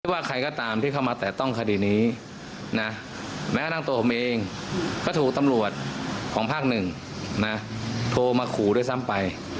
ว่าใครก็ตามที่เข้ามาแตะต้องคดีนี้นะแม้กระทั่งตัวผมเองก็ถูกตำรวจของภาคหนึ่งนะโทรมาขู่ด้วยซ้ำไป